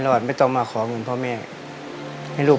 พ่อผมจะช่วยพ่อผมจะช่วยพ่อผมจะช่วย